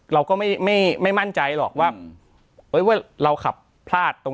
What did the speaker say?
เราก็ไม่ไม่ไม่มั่นใจหรอกว่าเอ้ยว่าเราขับพลาดตรง